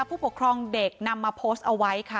ผู้ปกครองเด็กนำมาโพสต์เอาไว้ค่ะ